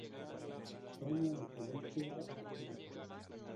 Premio a la excelencia, Actriz